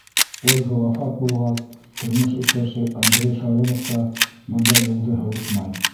Ольга вафат булғас, тормош иптәше Андрей Шаронов та бында юлды һыуытмай.